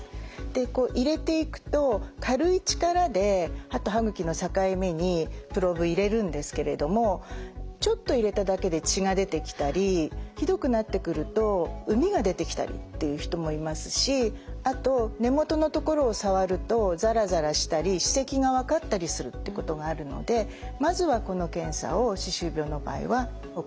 で入れていくと軽い力で歯と歯ぐきの境目にプローブ入れるんですけれどもちょっと入れただけで血が出てきたりひどくなってくると膿が出てきたりっていう人もいますしあと根元のところを触るとザラザラしたり歯石が分かったりするってことがあるのでまずはこの検査を歯周病の場合は行います。